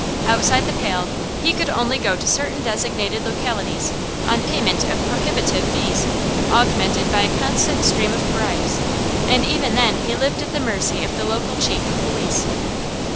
Outside the Pale he could only go to certain designated localities, on payment of prohibitive fees, augmented by a constant stream of bribes; and even then he lived at the mercy of the local chief of police.